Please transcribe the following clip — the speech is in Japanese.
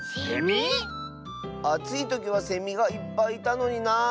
あついときはセミがいっぱいいたのになあ。